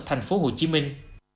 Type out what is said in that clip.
thành phố hồ chí minh